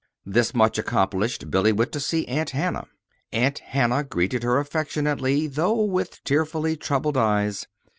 This much accomplished, Billy went to see Aunt Hannah. Aunt Hannah greeted her affectionately, though with tearfully troubled eyes.